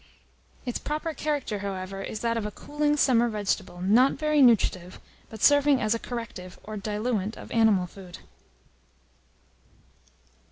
Its proper character, however, is that of a cooling summer vegetable, not very nutritive, but serving as a corrective, or diluent of animal food.